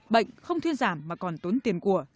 bệnh không thuyên giảm mà còn tốn tiền của